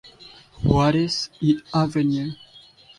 Juárez y Av.